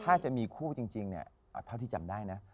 ถ้าจะมีคู่จริงเนี่ยเอาเท่าที่จำได้นะ